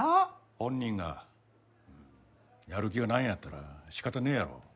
本人がやる気がないんやったら仕方ねえやろ。